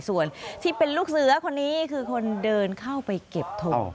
ส่วนที่เป็นลูกเสือคนนี้คือคนเดินเข้าไปเก็บทง